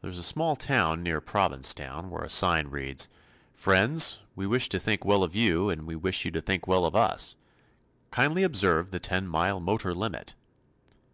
There is a small to near Provincetown where a sign reads "Friends, we wish to think well of you and we wish you to think well of us. Kindly observe the ten mile motor limit."